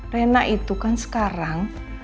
rena itu kan sekarang